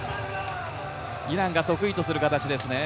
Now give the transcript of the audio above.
イランが得意とする形ですね。